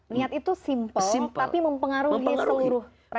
niat itu simpel tapi mempengaruhi seluruh rakyat